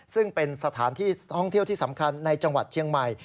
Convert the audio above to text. ซึ่งเป็นสถานที่ท่องเที่ยวที่สำคัญในจังหวัดเชียงใหม่